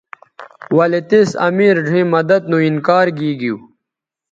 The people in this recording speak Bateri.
ولے تِس امیر ڙھیئں مدد نو انکار گیگیو